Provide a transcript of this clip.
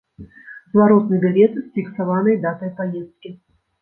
Зваротны білет з фіксаванай датай паездкі.